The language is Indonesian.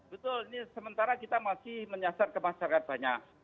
betul ini sementara kita masih menyasar ke masyarakat banyak